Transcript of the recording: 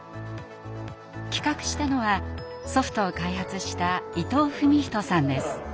企画したのはソフトを開発した伊藤史人さんです。